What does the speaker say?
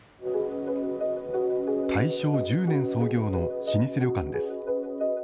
大正１０年創業の老舗旅館です。